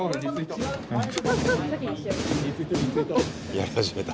やり始めた。